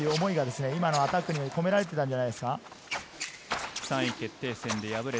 今のアタックに出ていたんじゃないですか。